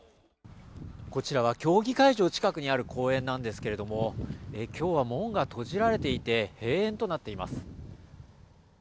こちらは競技会場近くにある公園なんですけれども今日は門が閉じられていて、閉園となっています。